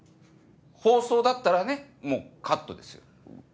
放送だったらねもうカットですよ。